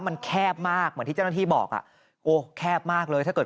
มันแคบมากเหมือนที่เจ้าหน้าที่บอกอ่ะโอ้แคบมากเลยถ้าเกิด